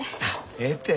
ええって。